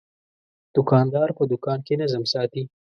دوکاندار په دوکان کې نظم ساتي.